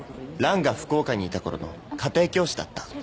ランが福岡にいたころの家庭教師だった。